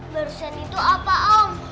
barusan itu apa om